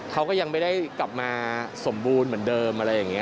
เขาก็ยังไม่ได้กลับมาสมบูรณ์เหมือนเดิมอะไรอย่างนี้